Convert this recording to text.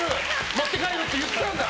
持って帰るって言ってたんだ。